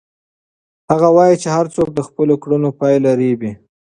هغه وایي چې هر څوک د خپلو کړنو پایله رېبي.